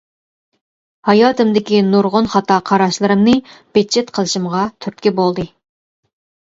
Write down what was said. ھاياتىمدىكى نۇرغۇن خاتا قاراشلىرىمنى بىتچىت قىلىشىمغا تۈرتكە بولدى.